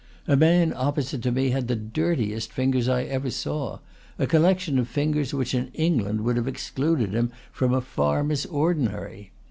A man opposite to me had the dir tiest fingers I ever saw; a collection of fingers which in England would have excluded him from a farmers' ordinary.